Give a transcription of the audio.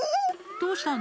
どうしたの？